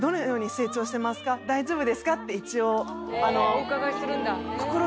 お伺いするんだ。